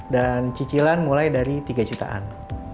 dan cicilan mulai dari rp tiga jutaan